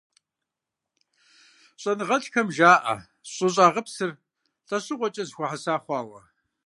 ЩӀэныгъэлӀхэм жаӀэ щӀыщӀагъыпсыр лӀэщӀыгъуэкӀэрэ зэхуэхьэса хъуауэ.